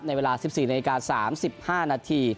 ในเวลา๑๔นน๓๕น